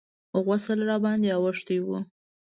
غسل راباندې اوښتى و.